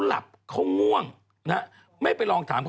จากธนาคารกรุงเทพฯ